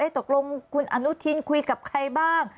ตกลงคุณอนุทินคุยกับใครบ้าง